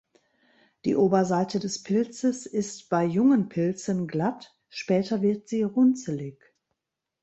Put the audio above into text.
Die Oberseite des Pilzes ist bei jungen Pilzen glatt, später wird sie runzelig.